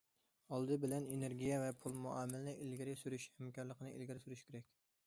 ئالدى بىلەن ئېنېرگىيە ۋە پۇل مۇئامىلىنى ئىلگىرى سۈرۈش ھەمكارلىقىنى ئىلگىرى سۈرۈش كېرەك.